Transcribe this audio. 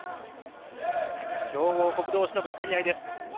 強豪国同士のぶつかり合いです。